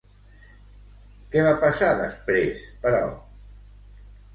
Què va passar després, però?